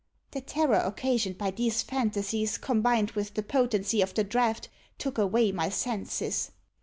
The terror occasioned by these fantasies, combined with the potency of the draught, took away my senses.